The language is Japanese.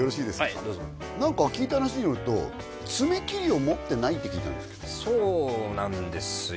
はいどうぞ何か聞いた話によると爪切りを持ってないって聞いたんですけどそうなんですよ